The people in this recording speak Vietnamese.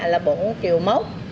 là bốn triệu mốc